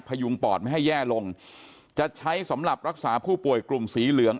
พยุงปอดไม่ให้แย่ลงจะใช้สำหรับรักษาผู้ป่วยกลุ่มสีเหลือง